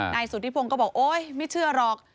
นายสุธิพงศ์ก็บอกโอ๊ยไม่เชื่อหรอก